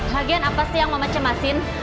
lagian apa sih yang mama cemasin